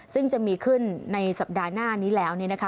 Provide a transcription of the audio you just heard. ซึ่งจะมีขึ้นในสัปดาห์หน้านี้แล้ว